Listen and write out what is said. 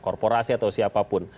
korporasi atau siapapun